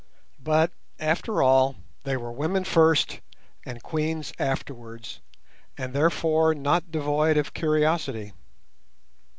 But after all they were women first and queens afterwards, and therefore not devoid of curiosity.